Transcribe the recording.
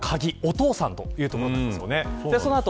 お父さんというところなんですよね。